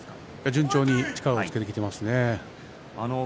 順調に力をつけていますね。